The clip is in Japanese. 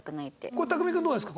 これ匠海君どうですか？